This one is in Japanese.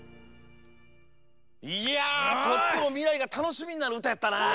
いやとってもみらいがたのしみになるうたやったなあ。